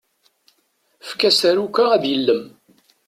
Efk-as taruka ad yellem.